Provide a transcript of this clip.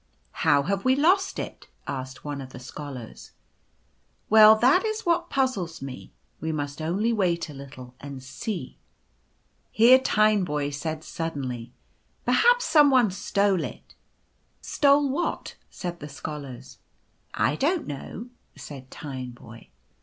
" How have we lost it ?" asked one of the Scholars. " Well, that is what puzzles me. We must only wait a little and see." Here Tineboy said suddenly, " Perhaps some one stole it I" " Stole what ?" said the scholars. " Idont know," said Tineboy.